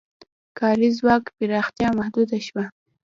کاري ځواک پراختیا محدوده شوه.